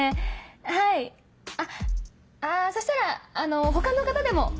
はいあっあそしたら他の方でも。